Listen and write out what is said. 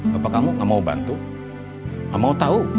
bapak kamu nggak mau bantu nggak mau tahu